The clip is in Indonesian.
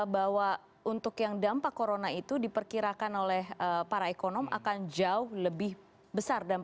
bahwa untuk yang dampak corona itu diperkirakan oleh para ekonom akan jauh lebih besar